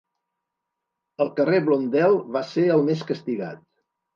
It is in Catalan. El carrer Blondel va ser el més castigat.